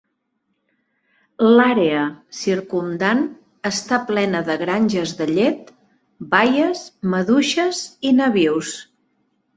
L'àrea circumdant està plena de granges de llet, baies, maduixes i nabius.